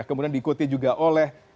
kemudian diikuti juga oleh